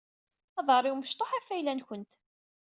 Aḍaṛ-iw mecṭuḥ ɣf ayla-nkent.